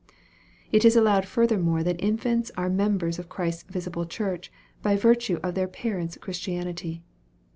It is allowed furthermore that infants are members of Christ's visible church, by virtue of their parents' Chris tianity.